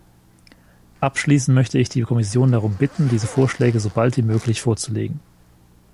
Abschließend möchte ich die Kommission darum bitten, diese Vorschläge so bald wie möglich vorzulegen.